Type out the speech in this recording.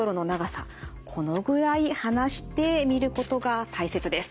このぐらい離して見ることが大切です。